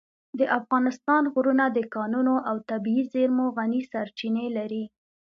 د افغانستان غرونه د کانونو او طبیعي زېرمو غني سرچینې لري.